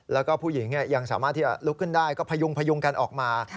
แล้วก็ผู้หญิงยังสามารถที่จะลุกขึ้นได้ก็พยุงพยุงกันออกมา